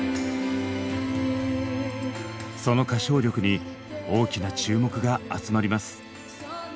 その歌唱力に大きな注目が集まります。